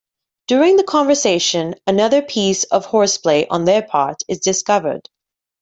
During the conversation another piece of horseplay on their part is discovered.